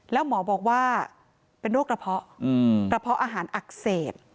แล้วหมอบอกว่าเป็นโรคกระเพาะกระเพาะอาหารอักเสบ